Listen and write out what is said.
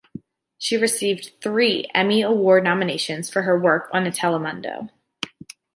She received three Emmy Award nominations for her work at Telemundo.